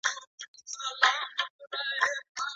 په هند کي د افغانانو درملنه څنګه کیږي؟